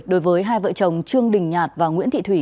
đối với hai vợ chồng trương đình nhạt và nguyễn thị thủy